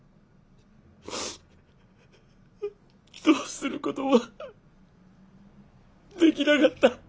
どうすることもできなかった。